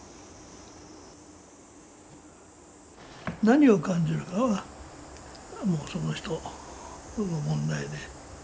何を感じるかはその人の問題で。